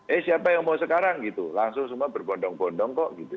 eh siapa yang mau sekarang gitu langsung semua berbondong bondong kok gitu